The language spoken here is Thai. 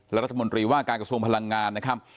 รัฐมนตรีว่าการกระทรวงพลังงานนะครับ